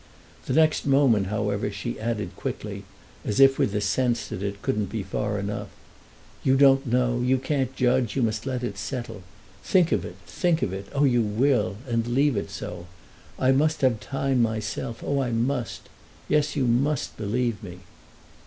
The next moment, however, she added quickly, as if with the sense that it couldn't be far enough: "You don't know, you can't judge, you must let it settle. Think of it, think of it; oh you will, and leave it so. I must have time myself, oh I must! Yes, you must believe me."